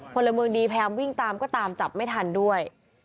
พลเมืองดีพยายามวิ่งตามก็ตามจับไม่ทันด้วย